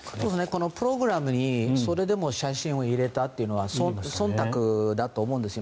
このプログラムにそれでも写真を入れたというのはそんたくだと思うんですよ。